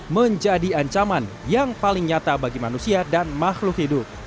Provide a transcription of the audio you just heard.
menjadi ancaman yang paling nyata bagi manusia dan makhluk hidup